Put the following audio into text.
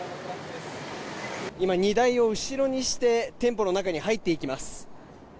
今、荷台を後ろにして店舗の中に入っていきます。